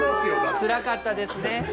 つらかったですね。